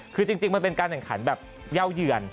คือจริงมันเป็นการแข่งขันแบบเย่าเยือน